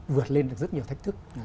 vượt lên được rất nhiều thách thức